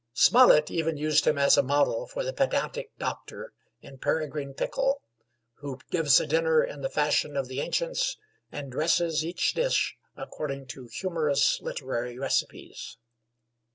Smollett even used him as a model for the pedantic doctor in 'Peregrine Pickle,' who gives a dinner in the fashion of the ancients, and dresses each dish according to humorous literary recipes.